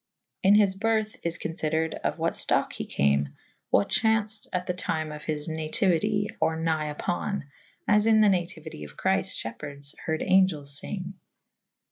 In his byrthe is confydered of what ftocke he came / what chaunfed at the tyme of his natiuite or nighe vpo« / as Mn the natiuite of Chryfte fhepeherdes harde angelles fynge.